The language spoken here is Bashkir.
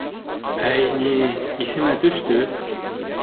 — Әй, ни, иҫемә төштө!